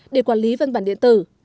để quản lý văn bản điện tử